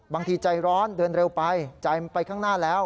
บางทีใจร้อนเดินเร็วไปใจมันไปข้างหน้าแล้ว